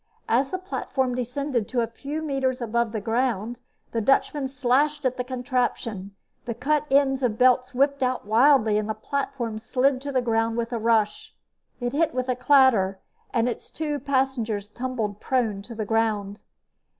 As the platform descended to a few meters above ground, the Dutchman slashed at the contraption, the cut ends of belts whipped out wildly and the platform slid to the ground with a rush. It hit with a clatter and its two passengers tumbled prone to the ground.